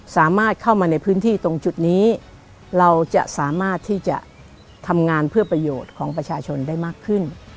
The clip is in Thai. สามารถเข้ามาในพื้นที่ตรงจุดนี้เราจะสามารถที่จะทำงานเพื่อประโยชน์ของประชาชนได้มากขึ้น